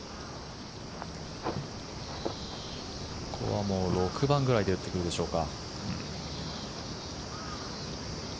ここは６番ぐらいで打ってくるでしょうか。